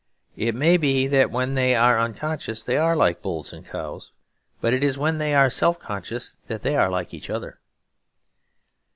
It may be that when they are unconscious they are like bulls and cows. But it is when they are self conscious that they are like each other.